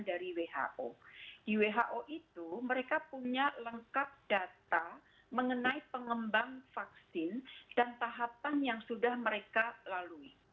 dari who itu mereka punya lengkap data mengenai pengembang vaksin dan tahapan yang sudah mereka lalui